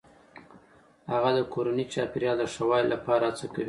هغه د کورني چاپیریال د ښه والي لپاره هڅه کوي.